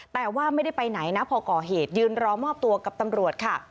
แต่ว่าไม่ได้ไปไหนนะพอก่อเหตุยืนรอมอบตัวกับตำรวจค่ะ